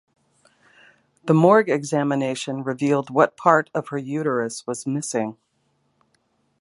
The morgue examination revealed that part of her uterus was missing.